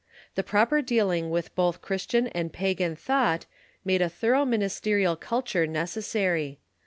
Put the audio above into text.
The proper dealing with both Jewish and pagan thought made a thorough ministerial culture necessary.